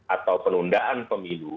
atau penundaan pemilu